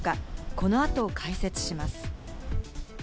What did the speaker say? この後、解説します。